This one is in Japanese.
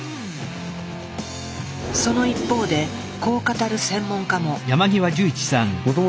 その一方でこう語る専門家も。